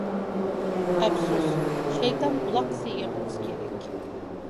ئەپسۇس. شەيتان بۇلاققا سىيگەن بولسا كېرەك.